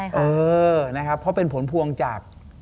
ใช่ค่ะนะครับเพราะเป็นผลพวงจาก